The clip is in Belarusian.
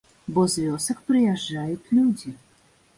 Бо з вёсак прыязджаюць людзі.